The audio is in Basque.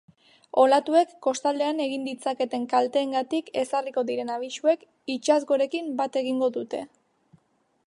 Olatuek kostaldean egin ditzaketen kalteengatik ezarriko diren abisuek itsasgorekin bat egingo dute.